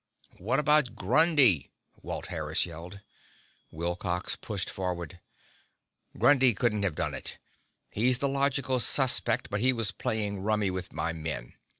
"What about Grundy?" Walt Harris yelled. Wilcox pushed forward. "Grundy couldn't have done it. He's the logical suspect, but he was playing rummy with my men."